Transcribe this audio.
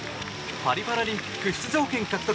パリパラリンピック出場権獲得。